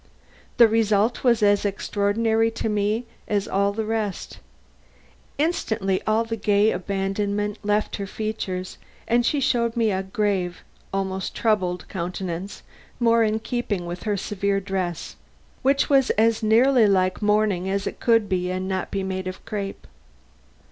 The result was as extraordinary to me as all the rest. Instantly all the gay abandonment left her features, and she showed me a grave, almost troubled, countenance, more in keeping with her severe dress, which was as nearly like mourning as it could be and not be made of crape.